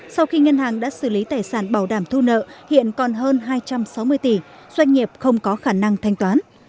sau khi ngân hàng đã xử lý tài sản bảo đảm thu nợ hiện còn hơn hai trăm sáu mươi tỷ doanh nghiệp không có khả năng thanh toán